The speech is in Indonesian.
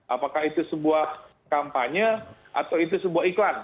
apakah itu sebuah kampanye atau itu sebuah iklan